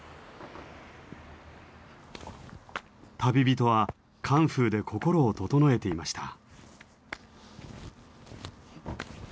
旅人はカンフーで心を整えていました。